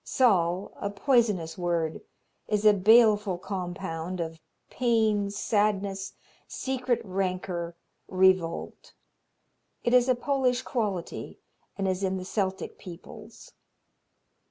Zal, a poisonous word, is a baleful compound of pain, sadness, secret rancor, revolt. It is a Polish quality and is in the Celtic peoples.